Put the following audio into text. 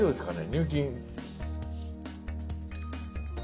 入金。